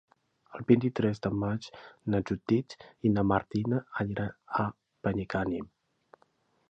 El vint-i-tres de maig na Judit i na Martina aniran a Benigànim.